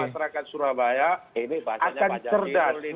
ini bahasanya pak zazilul ini